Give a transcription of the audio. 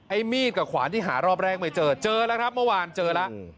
มีดกับขวานที่หารอบแรกไม่เจอเจอแล้วครับเมื่อวานเจอแล้ว